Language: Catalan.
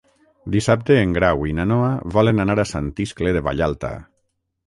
Dissabte en Grau i na Noa volen anar a Sant Iscle de Vallalta.